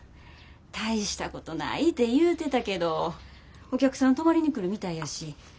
大したことないて言うてたけどお客さん泊まりに来るみたいやし。